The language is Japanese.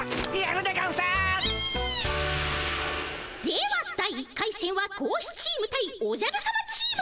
では第１回せんは貴公子チーム対おじゃるさまチーム。